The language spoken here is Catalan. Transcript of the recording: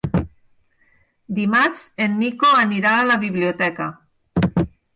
Dimarts en Nico anirà a la biblioteca.